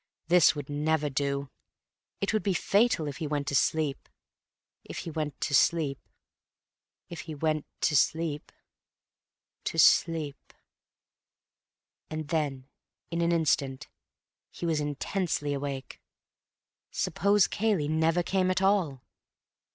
This would never do. It would be fatal if he went to sleep.... if he went to sleep.... to sleep .... And then, in an instant, he was intensely awake. Suppose Cayley never came at all!